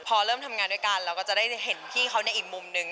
พอเริ่มทำงานด้วยกันเราก็จะได้เห็นพี่เขาในอีกมุมนึง